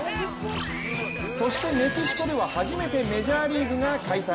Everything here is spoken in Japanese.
そしてメキシコでは初めてメジャーリーグが開催。